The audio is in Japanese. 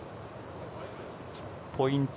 ポイント